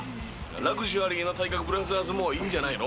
ラグジュアリーな体格ブラザーズもいいんじゃないの？